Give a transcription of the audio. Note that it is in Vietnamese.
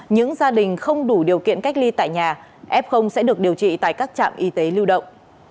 những gia đình không đủ điều kiện cách ly tại nhà f sẽ được điều trị tại các trạm y tế lưu động